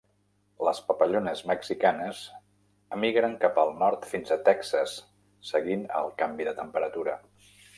Les papallones mexicanes emigren cap al nord fins a Texas, seguint el canvi de temperatura.